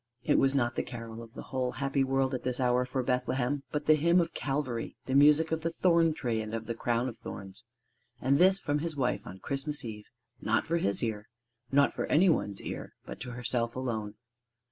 It was not the carol of the whole happy world at this hour for Bethlehem, but the hymn of Calvary the music of the thorn tree and of the Crown of Thorns. And this from his wife on Christmas Eve! not for his ear: not for any one's ear: but to herself alone.